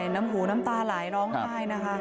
น้ำหูน้ำตาไหลร้องไห้นะคะ